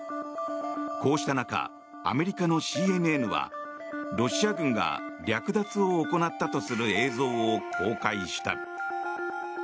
こうした中、アメリカのＣＮＮはロシア軍が略奪を行ったとする映像を公開した。